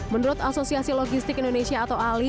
menurut asosiasi logistik indonesia atau ali